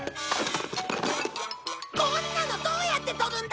こんなのどうやって取るんだよ！